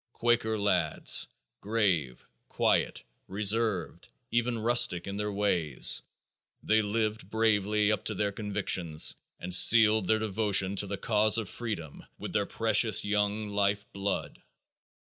Quaker lads, "grave, quiet, reserved, even rustic in their ways," they lived bravely up to their convictions and sealed their devotion to the cause of freedom with their precious young life blood.